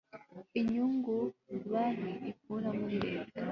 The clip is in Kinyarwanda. inyungu banki ikura muri reta